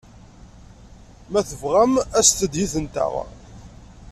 Ma tebɣam, aset-d yid-nteɣ.